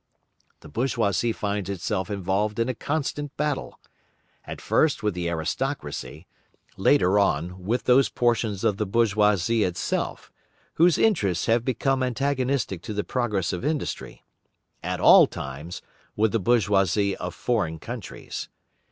The bourgeoisie finds itself involved in a constant battle. At first with the aristocracy; later on, with those portions of the bourgeoisie itself, whose interests have become antagonistic to the progress of industry; at all times, with the bourgeoisie of foreign countries.